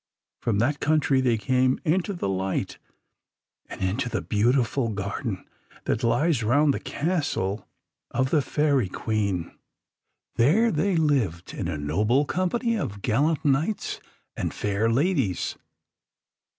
From that country they came into the light, and into the beautiful garden that lies round the castle of the Fairy Queen. There they lived in a noble company of gallant knights and fair ladies.